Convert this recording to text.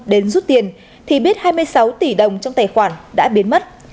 đến rút tiền thì biết hai mươi sáu tỷ đồng trong tài khoản đã biến mất